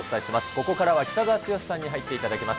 ここからは北澤豪さんに入っていただきます。